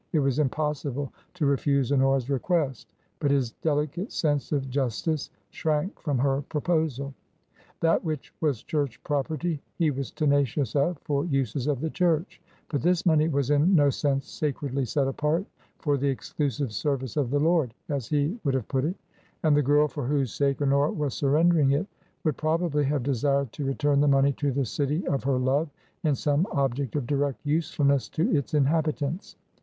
It was impossible to refuse Honora's request, but his delicate sense of justice shrank from her proposal. That which was church property he was tenacious of for uses of the church. But this money was in no sense sacredly set apart for the exclusive service of the Lord, as he would have put it ; and the girl for whose sake Honora was surrendering it, would probably have desired to return the money to the city of her love in some object of direct usefulness to its inhabitants.